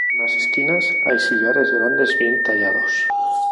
En las esquinas hay sillares grandes bien trabajados.